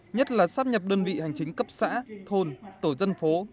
nhất là sắp nhập đơn vị hành chính cấp xã thôn tổ dân phố